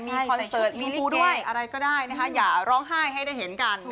ใช่ใส่ชุดสีกูด้วยอะไรก็ได้อย่าร้องไห้ให้ได้เห็นกัน